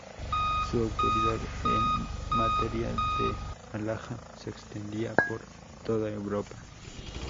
Su autoridad en materia de halajá se extendía por toda Europa.